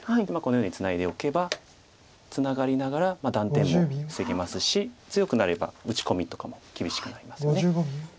このようにツナいでおけばツナがりながら断点も防げますし強くなれば打ち込みとかも厳しくなりますよね。